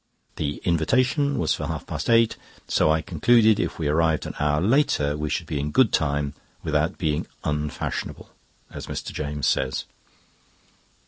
The invitation was for half past eight, so I concluded if we arrived an hour later we should be in good time, without being "unfashionable," as Mrs. James says.